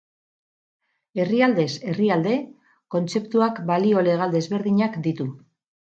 Herrialdez herrialde kontzeptuak balio legal desberdinak ditu.